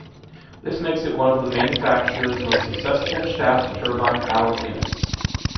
This makes it one of the manufacturer's most successful shaft turbine power units.